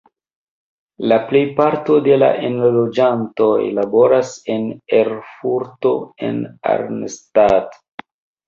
La plejparto de la enloĝantoj laboras en Erfurto aŭ Arnstadt.